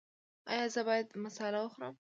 ایا زه باید مساله وخورم؟